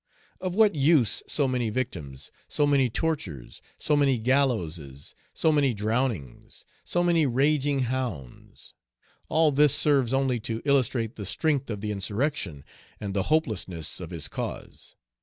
Of what use so many victims, so many tortures, so many gallowses, so many drownings, so many raging hounds? All this serves only to illustrate the strength of the insurrection, and the hopelessness of his cause.